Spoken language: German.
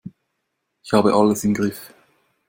Ich habe alles im Griff.